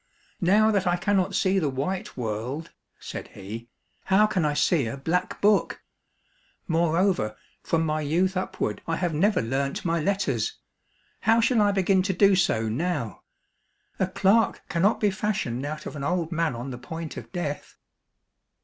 " Now that I cannot see the white world," said he, " how can I see a black book ? Moreover, from my youth up ward I have never learnt my letters ; how shall I begin to djo so now } A clerk cannot be fashioned out of an old man on the point of death